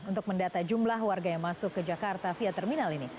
untuk mendata jumlah warga yang masuk ke jakarta via terminal ini